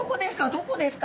どこですか？